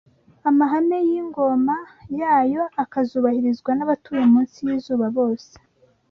amahame y’ingoma ya Yo akazubahirizwa n’abatuye munsi y’izuba bose.